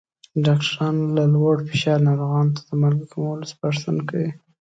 ډاکټران له لوړ فشار ناروغانو ته د مالګې کمولو سپارښتنه کوي.